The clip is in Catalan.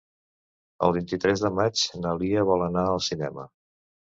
El vint-i-tres de maig na Lia vol anar al cinema.